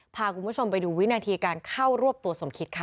พาคุณผู้ชมไปดูวินาทีการเข้ารวบตัวสมคิดค่ะ